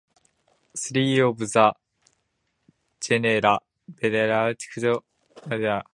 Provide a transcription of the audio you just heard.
Three of the genera, "Berneuxia", "Galax", and "Pyxidanthera", contain only a single species.